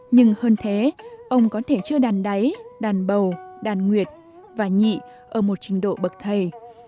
nhưng hơn thế ông có thể chơi đàn đáy đàn bầu đàn nguyệt và nhị ở một trình độ bậc thầy